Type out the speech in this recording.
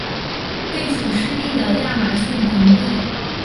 位处湿热的亚马逊盆地。